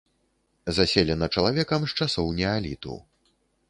Заселена чалавекам з часоў неаліту.